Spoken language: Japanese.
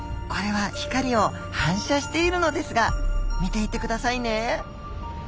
これは光を反射しているのですが見ていてくださいね。